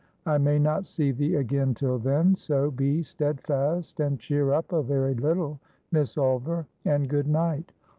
I may not see thee again till then, so, be steadfast, and cheer up a very little, Miss Ulver, and good night.